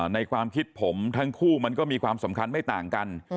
ในความคิดผมทั้งคู่มันก็มีความสำคัญไม่ต่างกัน